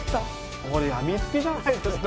これ、やみつきじゃないですか。